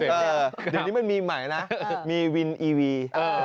เดี๋ยวนี้มันมีใหม่นะมีวินอีวี